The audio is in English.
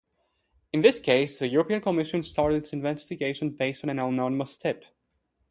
In this case, the European Commission started its investigation based on an anonymous "tip".